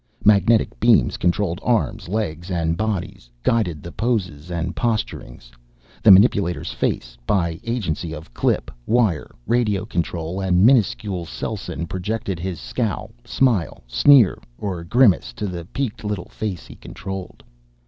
Magnetic beams controlled arms, legs and bodies, guided the poses and posturings. The manipulator's face, by agency of clip, wire, radio control and minuscule selsyn, projected his scowl, smile, sneer or grimace to the peaked little face he controlled.